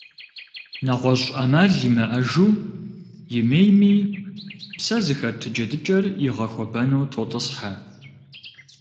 НэгъуэщӀ Ӏэмал имыӀэжу, имейми, псэ зыхэт джэдыкӀэр игъэхуэбэну тотӀысхьэ.